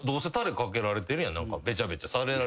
べちゃべちゃ。